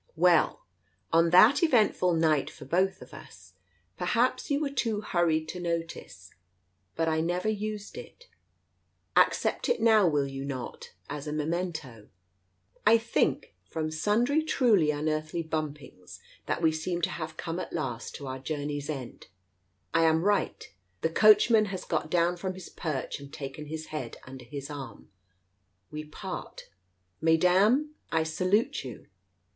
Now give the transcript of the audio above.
Well, on that eventful night for both of us— Digitized by Google 152 TALES OF THE UNEASY perhaps you were too hurried to notice? — but I never used it. Accept it now, will you not, as a memento ?..• I think, from sundry truly unearthly bumpings, that we seem to have come at last to our journey's end. ... I am right, the coachman has got down from his perch and taken his head under his arm. ... We part. Mes dames, I salute you.